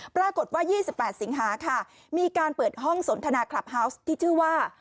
ปรากฏว่า๒๘สิงหาค่ะมีการเปิดห้องสนทนาคลับเฮาวส์ที่ชื่อว่า